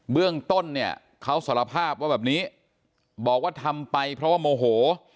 เรื่องต้นเนี่ยเขาสารภาพว่าแบบนี้บอกว่าทำไปเพราะว่าโมโห